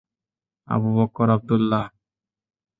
Abu Bakr Abdullah.